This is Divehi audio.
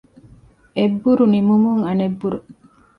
އެއްބުރު ނިމުމުން އަނެއް ބުރު